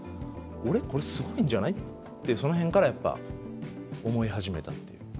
「俺これすごいんじゃない？」ってその辺からやっぱ思い始めたっていう。